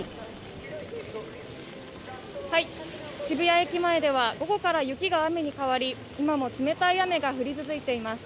渋谷駅前では午後から雨が雪に変わり今も冷たい雨が降り続いています。